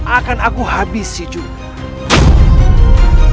akan aku habisi juga